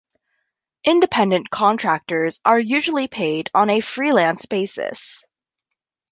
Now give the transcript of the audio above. Independent contractors are usually paid on a freelance basis.